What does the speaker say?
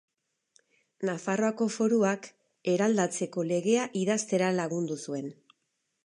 Nafarroako Foruak Eraldatzeko Legea idaztera lagundu zuen.